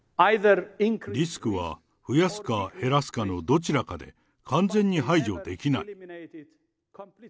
リスクは増やすか減らすかのどちらかで、完全に排除できない。